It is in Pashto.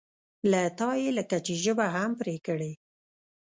له تا یې لکه چې ژبه هم پرې کړې.